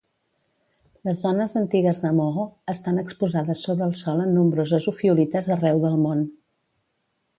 Les zones antigues de Moho estan exposades sobre el sòl en nombroses ofiolites arreu del món.